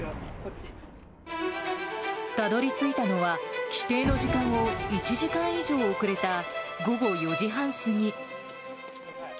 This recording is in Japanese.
たどりついたのは、規定の時間を１時間以上遅れた、午後４時半過ぎ。